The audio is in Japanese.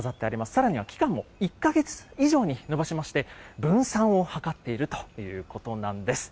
さらには期間も１か月以上に延ばしまして、分散を図っているということなんです。